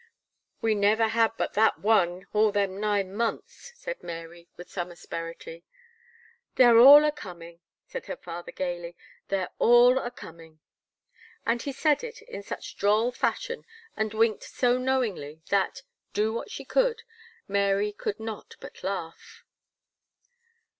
"We never had but that one all them nine months," said Mary with some asperity. "They're all a coming," said her father gaily, "They're all a coming." And he said it in such droll fashion, and winked so knowingly that, do what she could, Mary could not but laugh.